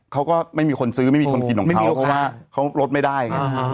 เขาก็ไม่มีคนซื้อไม่มีคนกินของเขาเพราะว่าเขาลดไม่ได้ไง